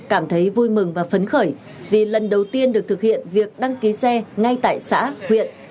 cảm thấy vui mừng và phấn khởi vì lần đầu tiên được thực hiện việc đăng ký xe ngay tại xã huyện